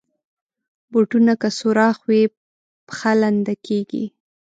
بوټونه که سوراخ وي، پښه لنده کېږي.